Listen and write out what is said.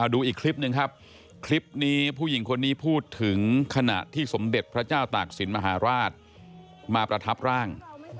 ดูอีกคลิปหนึ่งครับคลิปนี้ผู้หญิงคนนี้พูดถึงขณะที่สมเด็จพระเจ้าตากศิลป์มหาราชมาประทับร่าง